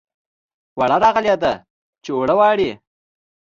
واڼه راغلې ده چې اوړه واڼي